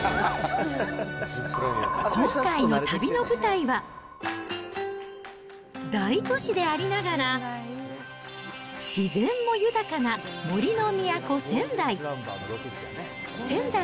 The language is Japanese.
今回の旅の舞台は、大都市でありながら、自然も豊かな杜の都、仙台。